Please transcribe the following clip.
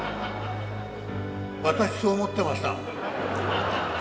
私そう思ってましたもん。